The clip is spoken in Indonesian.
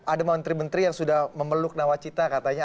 ada menteri menteri yang sudah memeluk nawacita katanya